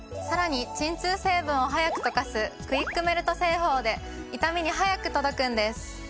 さらに鎮痛成分を速く溶かすクイックメルト製法で痛みに速く届くんです。